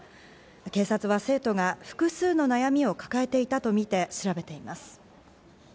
警察は生徒が複数の悩みを抱えていたとみて調べています。